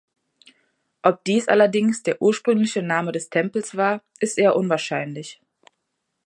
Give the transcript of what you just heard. Ob dies allerdings der ursprüngliche Name des Tempels war, ist eher unwahrscheinlich.